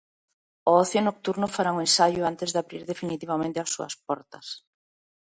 O ocio nocturno fará unha ensaio antes de abrir definitivamente as súas portas.